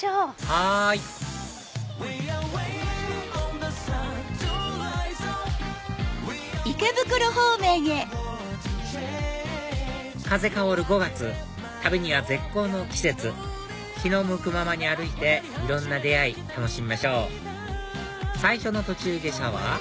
はい風薫る５月旅には絶好の季節気の向くままに歩いていろんな出会い楽しみましょう最初の途中下車は？